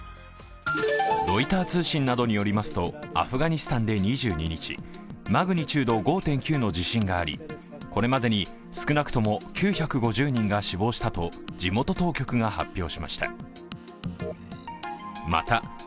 ロイター通信などによりますとアフガニスタンで２２日マグニチュード５．９の地震がありこれまでに少なくとも９５０人が死亡したと地元当局が発表しました。